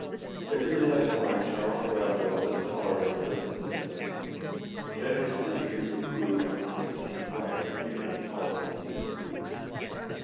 Ever did I find Charles Bradlaugh thus tolerant of difference of opinion, generously eager to approve what to him seemed right even in a policy he disapproved.